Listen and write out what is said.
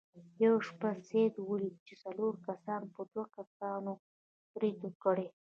یوه شپه سید ولیدل چې څلورو کسانو په دوو کسانو برید کړی.